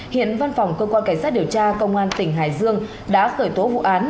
hiện văn phòng cơ quan cảnh sát điều tra công an tỉnh hải dương đã khởi tố vụ án